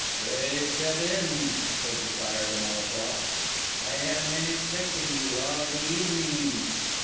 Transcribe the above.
"Pray step in," said the Sire de Malétroit. "I have been expecting you all the evening."